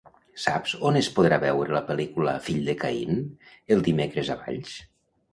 Saps on es podrà veure la pel·lícula "Fill de Caín" el dimecres a Valls?